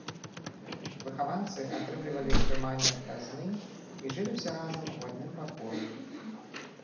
Выхаванцы атрымлівалі ўтрыманне ад казны і жылі ўсе разам у адным пакоі.